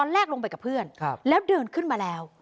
แลกลงไปกับเพื่อนแล้วเดินขึ้นมาแล้ว